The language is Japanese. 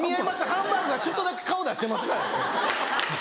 ハンバーグがちょっとだけ顔出してますから。